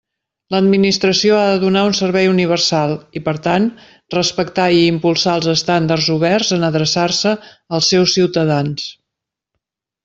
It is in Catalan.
L'administració ha de donar un servei universal i, per tant, respectar i impulsar els estàndards oberts en adreçar-se als seus ciutadans.